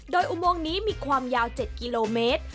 โดยอุโมงนี้มีความยาว๗กิโลเมตร